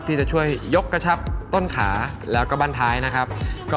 ที่จะช่วยยกกระชับต้นขาแล้วก็บ้านท้ายนะครับ